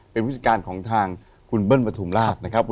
เป็นผู้จัดการของทางคุณเบิ้ลประทุมราชนะครับ